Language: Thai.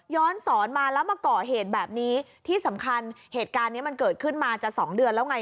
สอนมาแล้วมาก่อเหตุแบบนี้ที่สำคัญเหตุการณ์เนี้ยมันเกิดขึ้นมาจะสองเดือนแล้วไง